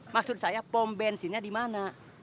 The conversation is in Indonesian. maksud saya pom bensinnya di mana